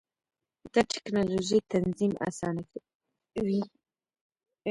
دا ټېکنالوژي تنظیم اسانه کوي.